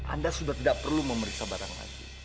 anda sudah tidak perlu memeriksa barang lagi